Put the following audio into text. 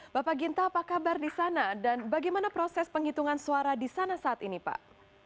bapak ginta apa kabar di sana dan bagaimana proses penghitungan suara di sana saat ini pak